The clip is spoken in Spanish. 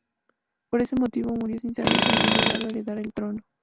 Por ese motivo, murió sin saber que había llegado a heredar el trono.